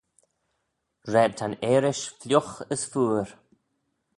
Raad ta'n earish fliugh as feayr.